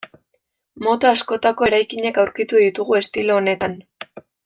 Mota askotako eraikinak aurkituko ditugu estilo honetan.